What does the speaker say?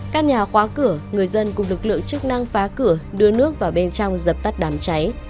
các nhà khóa cửa người dân cùng lực lượng chức năng phá cửa đưa nước vào bên trong dập tắt đám cháy